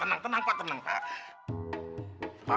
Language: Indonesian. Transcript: tenang tenang tenang pak